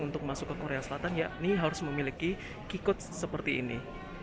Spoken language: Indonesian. untuk masuk ke korea selatan ya ini harus memiliki q code seperti ini